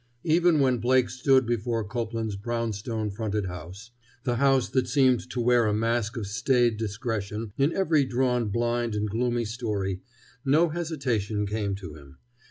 Even when Blake stood before Copeland's brownstone fronted house, the house that seemed to wear a mask of staid discretion in every drawn blind and gloomy story, no hesitation came to him.